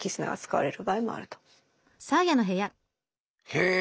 へえ。